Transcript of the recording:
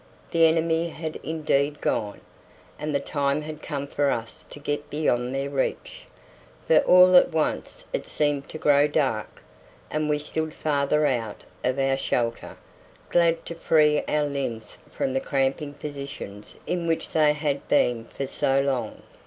The enemy had indeed gone, and the time had come for us to get beyond their reach, for all at once it seemed to grow dark, and we stood farther out of our shelter, glad to free our limbs from the cramping positions in which they had been for so long.